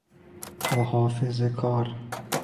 محافظه کار